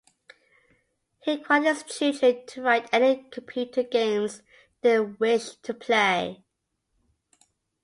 He required his children to write any computer games they wished to play.